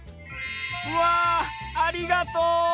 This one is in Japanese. わありがとう！